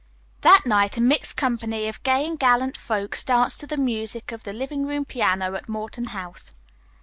That night a mixed company of gay and gallant folks danced to the music of the living room piano at Morton House.